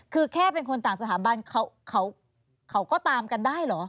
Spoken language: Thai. คือแค่เป็นคนต่างสถาบันเขาก็ตามกันได้เหรอ